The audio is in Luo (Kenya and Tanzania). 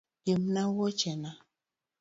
Gemna wuochena.